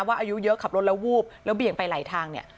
อายุเยอะขับรถแล้ววูบแล้วเบี่ยงไปหลายทางเนี่ย